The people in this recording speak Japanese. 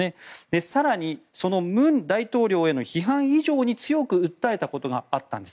更にその文大統領への批判以上に強く訴えたことがあったんです。